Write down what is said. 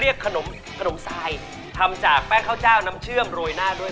เรียกคุณไปทำตัวให้ชิ้นกับเขา